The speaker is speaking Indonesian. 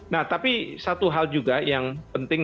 nah tapi satu hal juga yang penting